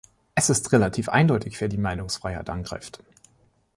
Es ist relativ eindeutig, wer die Meinungsfreiheit angreift.